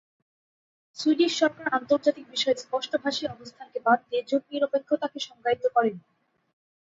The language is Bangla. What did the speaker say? সুইডিশ সরকার আন্তর্জাতিক বিষয়ে স্পষ্টভাষী অবস্থানকে বাদ দিয়ে জোটনিরপেক্ষতাকে সংজ্ঞায়িত করেনি।